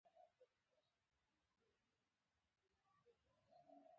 ملک صاحب کلیوالو ته وویل: موږ باید په خپلو پښو ودرېږو